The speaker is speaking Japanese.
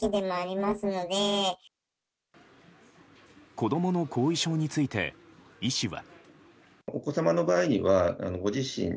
子供の後遺症について医師は。